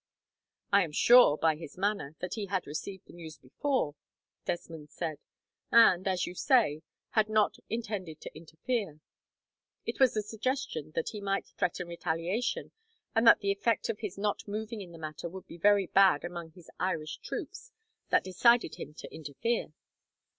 "I am sure, by his manner, that he had received the news before," Desmond said, "and, as you say, had not intended to interfere. It was the suggestion that he might threaten retaliation, and that the effect of his not moving in the matter would be very bad among his Irish troops, that decided him to interfere.